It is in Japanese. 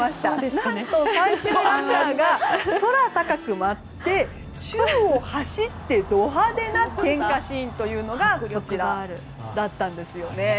何と最終ランナーが空高く舞って宙を走ってド派手な点火シーンというのがこちらだったんですね。